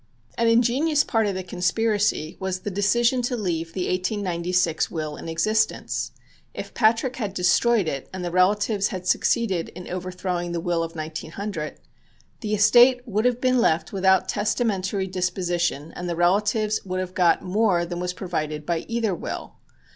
An ingenious part of the conspiracy was the decision to leave the 1896 will in existence. If Patrick had destroyed it and the relatives had succeeded in overthrowing the will of 1900, the estate would have been left without testamentary disposition and the relatives would have got more than was provided by either will.